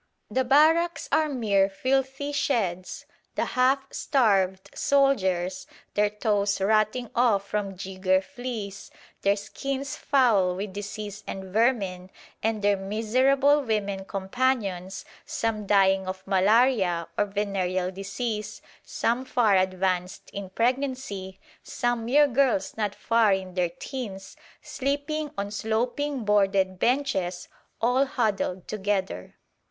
The barracks are mere filthy sheds; the half starved soldiers, their toes rotting off from jigger fleas, their skins foul with disease and vermin, and their miserable women companions, some dying of malaria or venereal disease, some far advanced in pregnancy, some mere girls not far in their 'teens, sleeping on sloping boarded benches all huddled together.